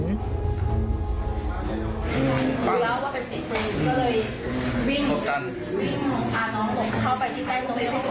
พวกเธอยังอยู่ในอาการตกใจกับเหตุการณ์สะเทือนขวัญ